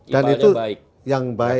dan itu yang baik